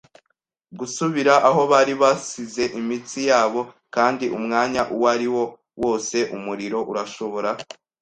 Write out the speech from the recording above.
gusubira aho bari basize imitsi yabo, kandi umwanya uwariwo wose umuriro urashobora